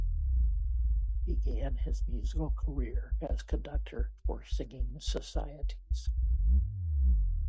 He began his musical career as conductor for singing societies.